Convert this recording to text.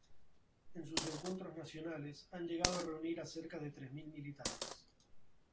En sus encuentros nacionales han llegado a reunir a cerca de tres mil militantes.